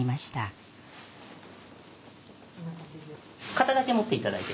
肩だけ持って頂いて。